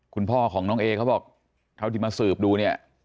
คุณพ่อของน้องเอเขาบอกเท่าที่มาสืบดูเนี่ย